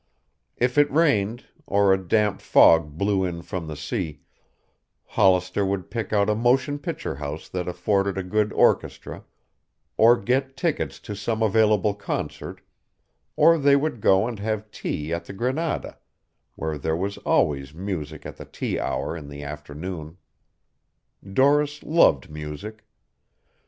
If it rained, or a damp fog blew in from the sea, Hollister would pick out a motion picture house that afforded a good orchestra, or get tickets to some available concert, or they would go and have tea at the Granada where there was always music at the tea hour in the afternoon. Doris loved music.